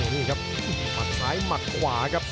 มัดซ้ายมัดขวาครับ